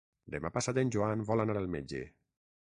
Demà passat en Joan vol anar al metge.